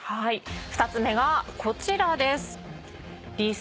２つ目がこちらです。